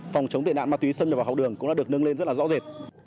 phòng chống tệ nạn ma túy sân vào học đường cũng đã được nâng lên rất là rõ rệt